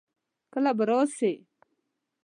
کله به راسې؟